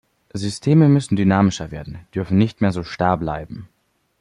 Systeme müssen dynamischer werden, dürfen nicht mehr so starr bleiben.